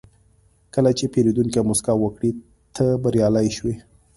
کله چې پیرودونکی موسکا وکړي، ته بریالی شوې.